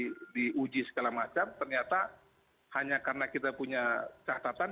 dulu kita lihat di segala macam ternyata hanya karena kita punya catatan